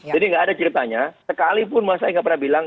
jadi nggak ada ceritanya sekalipun mas ahy nggak pernah bilang